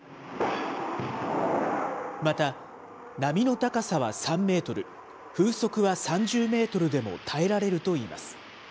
また、波の高さは３メートル、風速は３０メートルでも耐えられるといいます。